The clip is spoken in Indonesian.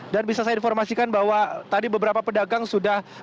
dan bisa saya informasikan bahwa tadi beberapa pedagang sudah berada